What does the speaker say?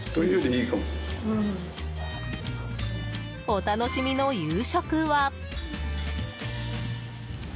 お楽しみの夕食は。